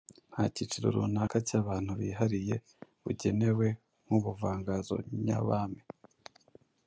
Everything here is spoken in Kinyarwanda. nta kiciro runaka cy’abantu bihariye bugenewe nk’ubuvanganzo nyabami